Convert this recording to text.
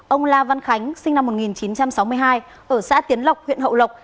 ông la văn khánh sinh năm một nghìn chín trăm sáu mươi hai ở xã tiến lộc huyện hậu lộc